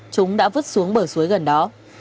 chúng đã vứt xuống bờ suối gần đó